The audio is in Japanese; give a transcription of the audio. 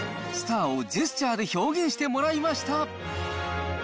スターをジェスチャーで表現してもらいました。